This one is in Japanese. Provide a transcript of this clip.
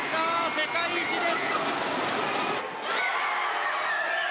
世界一です。